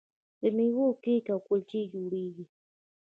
د میوو کیک او کلچې جوړیږي.